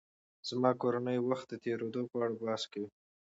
زما کورنۍ وخت د تېرېدو په اړه بحث کوي.